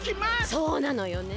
そうなのよね。